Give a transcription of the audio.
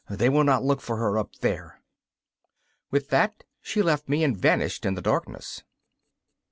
They will not look for her up there.' With that she left me and vanished in the darkness.